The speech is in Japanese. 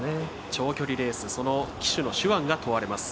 長距離レース騎手の手腕が問われます。